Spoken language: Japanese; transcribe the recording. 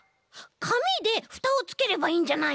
かみでふたをつければいいんじゃない？